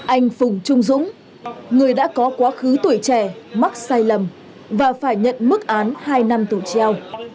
anh phùng trung dũng người đã có quá khứ tuổi trẻ mắc sai lầm và phải nhận mức án hai năm tù treo